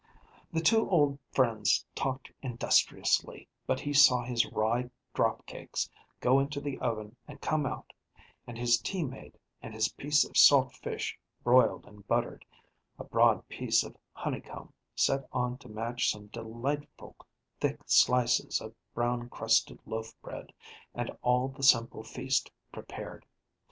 The two old friends talked industriously, but he saw his rye drop cakes go into the oven and come out, and his tea made, and his piece of salt fish broiled and buttered, a broad piece of honeycomb set on to match some delightful thick slices of brown crusted loaf bread, and all the simple feast prepared.